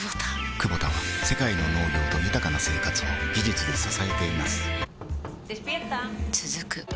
クボタは世界の農業と豊かな生活を技術で支えています起きて。